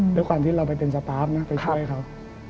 ด้วยความที่เราไปเป็นสปาร์ฟนะไปช่วยเขา